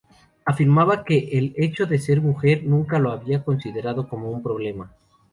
Afirmaba que el hecho de ser mujer nunca lo había considerado como un problema.